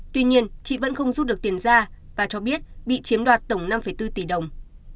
tuy nhiên chị vẫn không rút được tiền ra và cho biết bị chiếm đoạt tổng năm bốn tỷ đồng